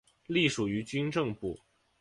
隶属于军政部。